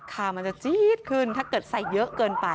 มันจะจี๊ดขึ้นถ้าเกิดใส่เยอะเกินไป